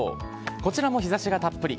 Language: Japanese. こちらも日ざしがたっぷり。